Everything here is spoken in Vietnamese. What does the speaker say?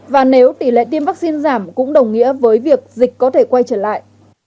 và nếu tỷ lệ tiêm vaccine giảm cũng đồng nghĩa với việc dịch có thể quay trở lại